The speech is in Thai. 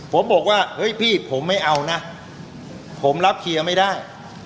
ผมบอกว่าเฮ้ยพี่ผมไม่เอานะผมรับเคลียร์ไม่ได้